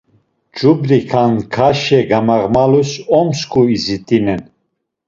ç̌ubri kankaşe gamağmalus 'omsǩu' izit̆en.